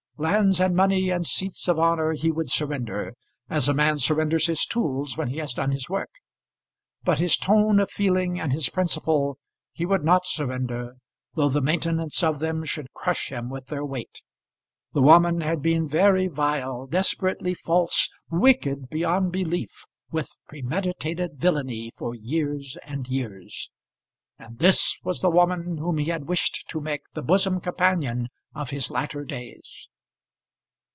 Lands and money and seats of honour he would surrender, as a man surrenders his tools when he has done his work; but his tone of feeling and his principle he would not surrender, though the maintenance of them should crush him with their weight. The woman had been very vile, desperately false, wicked beyond belief, with premeditated villany, for years and years; and this was the woman whom he had wished to make the bosom companion of his latter days!